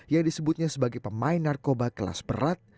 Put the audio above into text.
yang disebutnya sebagai pemain narkoba kelas berat